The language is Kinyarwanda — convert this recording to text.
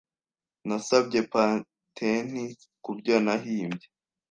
Nasabye patenti kubyo nahimbye.